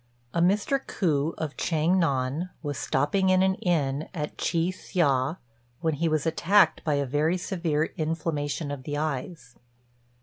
A Mr. Ku, of Chiang nan, was stopping in an inn at Chi hsia, when he was attacked by a very severe inflammation of the eyes.